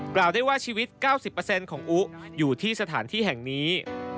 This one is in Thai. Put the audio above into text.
กล่าวได้ว่าชีวิต๙๐ของอุอยู่ที่สถานที่แห่งนี้